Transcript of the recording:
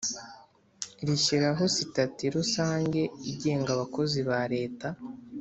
rishyiraho sitati rusange igenga abakozi ba leta,